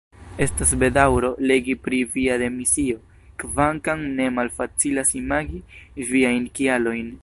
Estas bedaŭro legi pri via demisio, kvankam ne malfacilas imagi viajn kialojn.